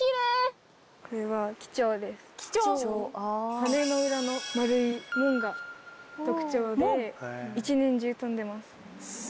羽の裏の丸い紋が特徴で一年中飛んでます。